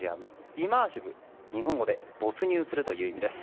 イマーシブ日本語で没入するという意味です。